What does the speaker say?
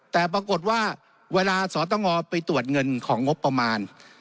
แต่ปรากฏว่าเวลาสตงไปตรวจเงินของงบประมาณ